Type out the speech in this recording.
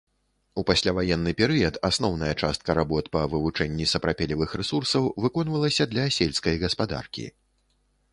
У пасляваенны перыяд асноўная частка работ па вывучэнні сапрапелевых рэсурсаў выконвалася для сельскай гаспадаркі.